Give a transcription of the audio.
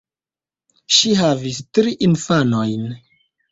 Ŝi havis tri infanojn.